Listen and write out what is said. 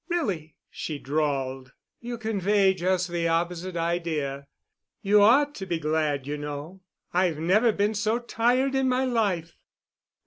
"Really?" she drawled. "You convey just the opposite idea. You ought to be glad, you know. I've never been so tired in my life.